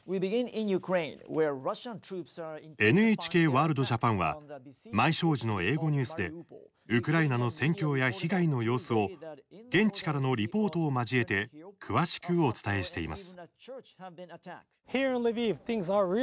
ＮＨＫワールドＪＡＰＡＮは毎正時の英語ニュースでウクライナの戦況や被害の様子を現地からのリポートを交えて詳しくお伝えしています。